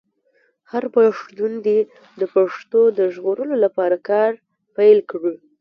هر پښتون دې د پښتو د ژغورلو لپاره کار پیل کړي.